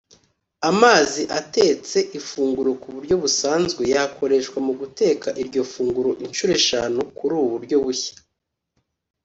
Amazi atetse ifunguro ku buryo busanzwe yakoreshwa mu guteka iryo funguro inshuro eshanu kuri ubu buryo bushya